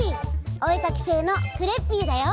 おえかきせいのクレッピーだよ！